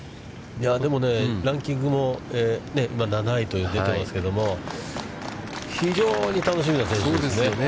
でもね、ランキングも７位と出てますけども、非常に楽しみな選手ですね。